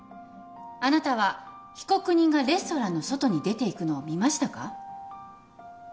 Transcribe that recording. あなたは被告人がレストランの外に出ていくのを見ましたか？